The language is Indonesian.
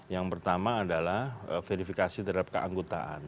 yang pertama adalah verifikasi terhadap keanggotaan